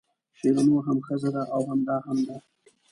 شیرینو هم ښځه ده او دا هم ده.